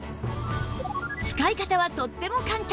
使い方はとっても簡単